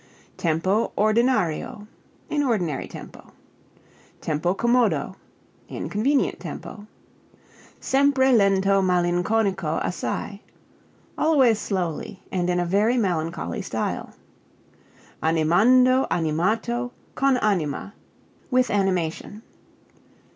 Tempo ordinario in ordinary tempo. Tempo commodo in convenient tempo. Sempre lento malinconico assai always slowly and in a very melancholy style. Animando, animato, con anima with animation.